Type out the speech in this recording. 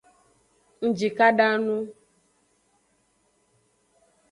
Ngjikada nu.